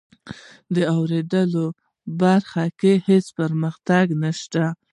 واورئ برخه کې هیڅ پرمختګ نشته .